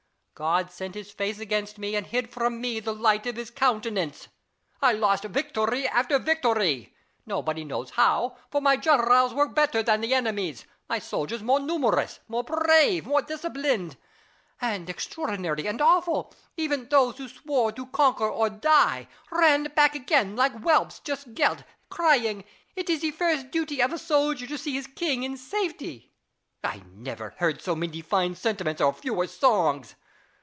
God set his face against me, and hid from me the light of his countenance. I lost victory after victory, nobody knows how ; for my generals were better than the enemy's, my soldiers more numerous, more brave, more disciplined. And, extraordinary and awful ! even those who swore to conquer or die, ran back again like whelps just gelt, crying, " It is the first duty of a soldier to see his king in safety." I never heard so many fine sentiments or fewer songs.